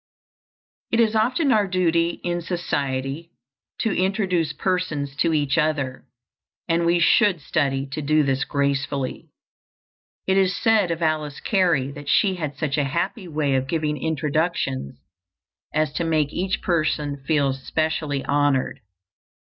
It is often our duty in society to introduce persons to each other, and we should study to do this gracefully. It is said of Alice Cary that she had such a happy way of giving introductions as to make each person feel specially honored.